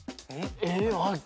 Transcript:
えっ？